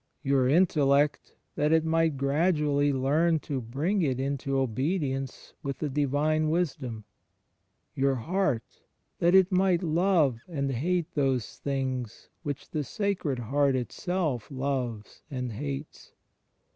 Your intellect, that it might gradually learn to bring it into obedience with the Divine Wisdom; your heart that it might love and hate those things which the Sacred Heart Itself loves and hates?